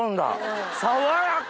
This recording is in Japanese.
爽やか！